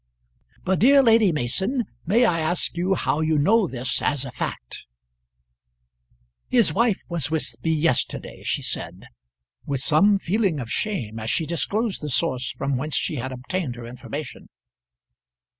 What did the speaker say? "But, dear Lady Mason, may I ask you how you know this as a fact?" "His wife was with me yesterday," she said, with some feeling of shame as she disclosed the source from whence she had obtained her information.